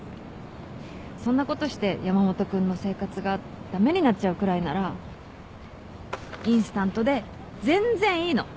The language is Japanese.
そんなことして山本君の生活が駄目になっちゃうくらいならインスタントで全然いいの。